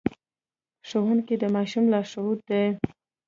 ښوونکي د ماشوم لارښود دي.